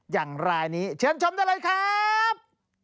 อย่างไรนี้เชิญชมได้เลยครับ